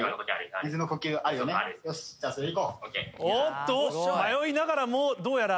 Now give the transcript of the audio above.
おっと迷いながらもどうやら。